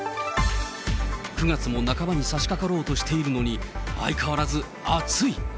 ９月も半ばに差しかかろうとしているのに、相変わらず暑い。